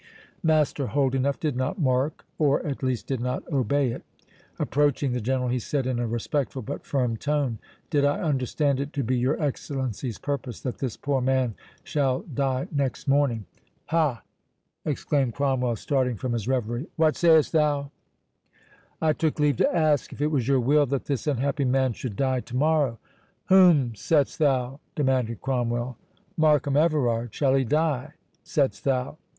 Master Holdenough did not mark, or, at least, did not obey it. Approaching the General, he said, in a respectful but firm tone, "Did I understand it to be your Excellency's purpose that this poor man shall die next morning?" "Hah!" exclaimed Cromwell, starting from his reverie, "what say'st thou?" "I took leave to ask, if it was your will that this unhappy man should die to morrow?" "Whom saidst thou?" demanded Cromwell: "Markham Everard—shall he die, saidst thou?"